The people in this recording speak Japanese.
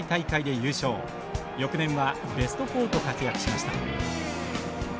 翌年はベスト４と活躍しました。